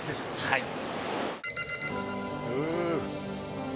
はい。